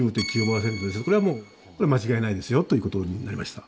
これはもう間違いないですよということになりました。